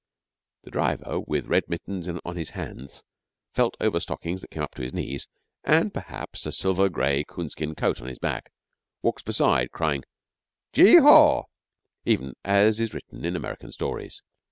The driver with red mittens on his hands, felt overstockings that come up to his knees, and, perhaps, a silvery gray coon skin coat on his back, walks beside, crying, 'Gee, haw!' even as is written in American stories.